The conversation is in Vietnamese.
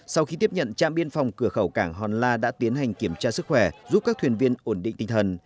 sau khi tiếp nhận trạm biên phòng cửa khẩu cảng hòn la đã tiến hành kiểm tra sức khỏe giúp các thuyền viên ổn định tinh thần